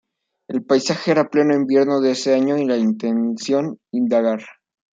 El paisaje era pleno invierno de ese año y la intención, indagar.